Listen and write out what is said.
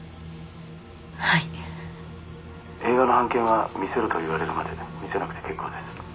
はい映画の半券は見せろと言われるまで見せなくて結構です